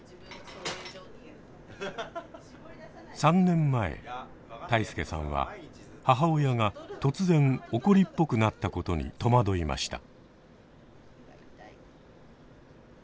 ３年前泰亮さんは母親が突然怒りっぽくなったことに戸惑いました。